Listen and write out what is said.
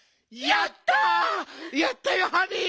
やったよハニー！